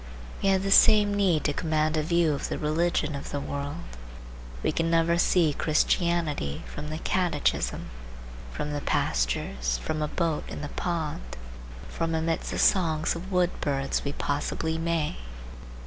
We have the same need to command a view of the religion of the world. We can never see Christianity from the catechism:—from the pastures, from a boat in the pond, from amidst the songs of wood birds we possibly may.